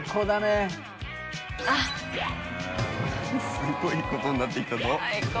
すごいことになってきたぞ。